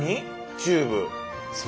チューブ。